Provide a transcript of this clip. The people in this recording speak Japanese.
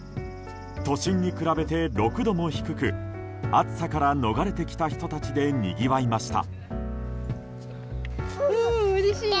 都心に比べて６度も低く暑さから逃れてきた人たちでにぎわいました。